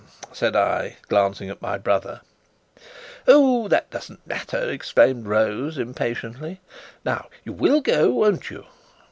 said I, glancing at my brother. "Oh, that doesn't matter!" exclaimed Rose impatiently. "Now, you will go, won't you?"